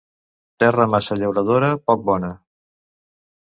Terra massa llauradora, poc bona.